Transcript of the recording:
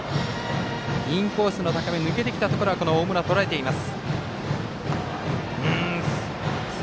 インコースの高め抜けてきたところはこの大村とらえています。